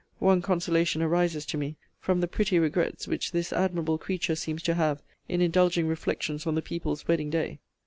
One consolation arises to me, from the pretty regrets which this admirable creature seems to have in indulging reflections on the people's wedding day.